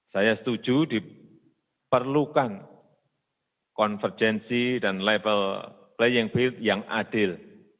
saya setuju diperlukan konvergensi dan level playing build yang adil